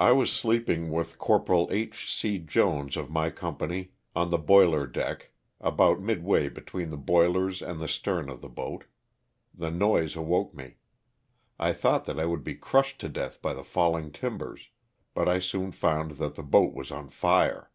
I was sleeping with Corp. H. C. Jones of my company on the boiler LOSS OF THE SULTAN^A. 165 deck, about midway between the boilers aud the stern of the boat. The noise awoke me. I thought that I would be crushed to death by the falling timbers; but I soon found that the boat was on fire.